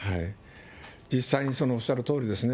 実際にそのおっしゃるとおりですね。